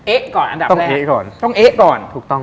เอ๊ะก่อนอันดับแรกต้องเอ๊ะก่อน